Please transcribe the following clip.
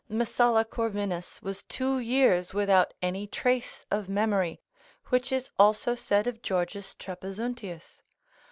Messala Corvinus was two years without any trace of memory, which is also said of Georgius Trapezuntius.